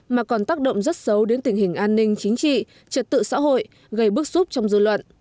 mà còn tác động rất xấu đến tình hình an ninh chính trị trật tự xã hội gây bức xúc trong dư luận